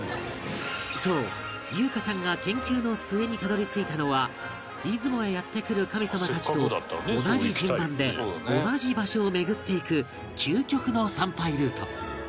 そう裕加ちゃんが研究の末にたどり着いたのは出雲へやって来る神様たちと同じ順番で同じ場所を巡っていく究極の参拝ルート